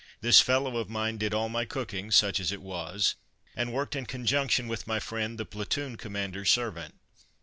This fellow of mine did all my cooking, such as it was, and worked in conjunction with my friend, the platoon commander's servant.